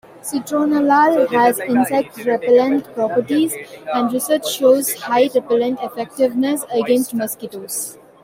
Citronellal has insect repellent properties, and research shows high repellent effectiveness against mosquitoes.